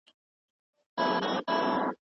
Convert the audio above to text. د باز ججوري کې یو سور غمی پردې نه ووځي